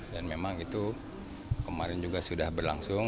dan memang itu kemarin juga sudah berlangsung